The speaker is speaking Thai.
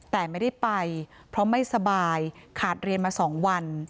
แต่ไม่ได้ไปเพราะไม่สบายขาดเรียนมา๒วัน